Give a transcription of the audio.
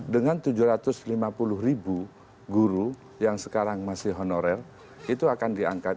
dengan tujuh ratus lima puluh ribu guru yang sekarang masih honorer itu akan diangkat